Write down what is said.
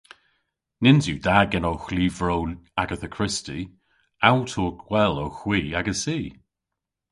Nyns yw da genowgh lyvrow Agatha Christie. Awtour gwell owgh hwi agessi!